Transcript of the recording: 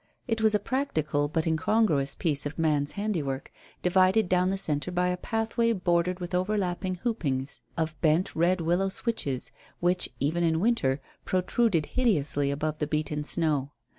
It was a practical but incongruous piece of man's handiwork, divided down the centre by a pathway bordered with overlapped hoopings of bent red willow switches, which, even in winter, protruded hideously above the beaten snow.